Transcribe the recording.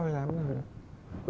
người ta không theo